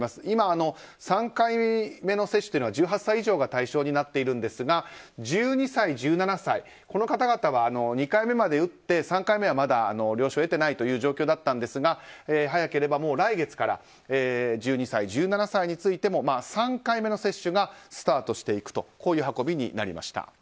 今、３回目の接種が１８歳以上が対象になっているんですが１２歳から１７歳、この方々は２回目まで打って、３回目はまだ了承を得てないという状況だったんですが早ければ来月から１２歳１７歳についても３回目の接種がスタートしていくという運びになりました。